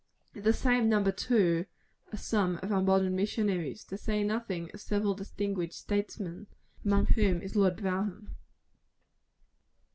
Of the same number, too, are some of our modern missionaries to say nothing of several distinguished statesmen, among whom is Lord Brougham.